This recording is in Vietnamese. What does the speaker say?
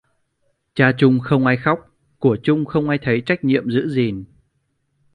Cha chung không ai khóc: của chung không ai thấy trách nhiệm giữ gìn